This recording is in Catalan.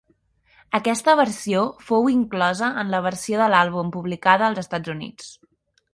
Aquesta versió fou inclosa en la versió de l'àlbum publicada als Estats Units.